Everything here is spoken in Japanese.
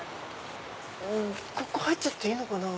ここ入っちゃっていいのかな？